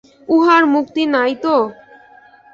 উহার মুক্তি নাই তো?